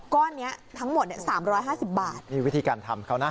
ก้อนเนี้ยทั้งหมดเนี่ย๓๕๐บาทนี่วิธีการทำเขานะ